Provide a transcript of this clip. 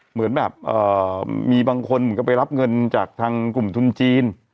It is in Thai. เหมือนแบบมีบางคนเหมือนกับไปรับเงินจากทางกลุ่มทุนจีน